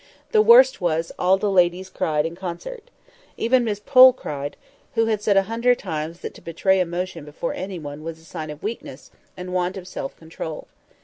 The worst was, all the ladies cried in concert. Even Miss Pole cried, who had said a hundred times that to betray emotion before any one was a sign of weakness and want of self control.